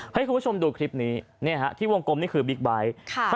ให้คุณผู้ชมดูคลิปนี้ที่วงกลมนี่คือบิ๊กไบท์